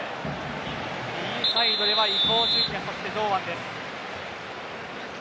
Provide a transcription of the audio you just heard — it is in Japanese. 右サイドで伊東純也そして、堂安です。